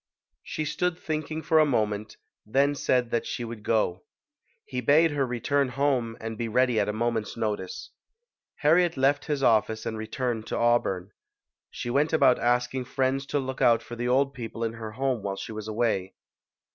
She stood thinking for a moment, then said that she would go. He bade her return home and be ready at a moment's notice. Harriet left his office and re turned to Auburn. She went about asking friends to look out for the old people in her home while she was away.